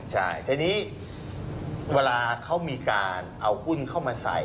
ใช่ทีนี้เวลาเขามีการเอาหุ้นเข้ามาใส่